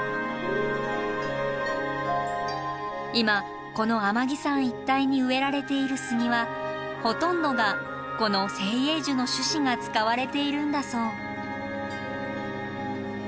今この天城山一帯に植えられている杉はほとんどがこの精英樹の種子が使われているんだそう。